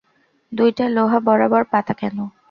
দুইটা লোহা বরাবর পাতা কেন?